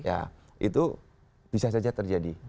ya itu bisa saja terjadi